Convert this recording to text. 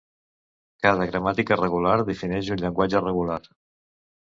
Cada gramàtica regular defineix un llenguatge regular.